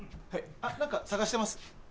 何か探してます？